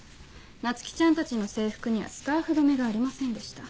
菜月ちゃんたちの制服にはスカーフ留めがありませんでした。